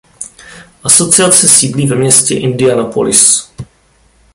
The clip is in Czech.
Asociace sídlí ve městě Indianapolis.